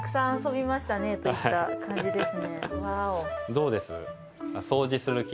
どうです？